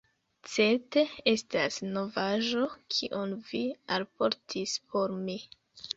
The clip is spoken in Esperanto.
Certe estas novaĵo, kion Vi alportis por mi!"